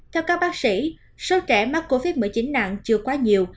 theo các bác sĩ số trẻ mắc covid một mươi chín nặng chưa quá nhiều